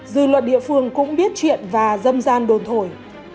dư luận địa phương cũng biết chuyện và dâm gian đồn thổi